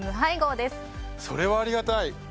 それはありがたい！